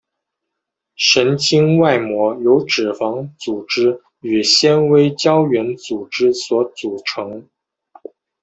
神经外膜由脂肪组织与纤维胶原组织所组成。